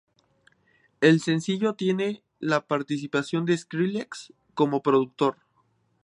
El sencillo tiene la participación de Skrillex como productor.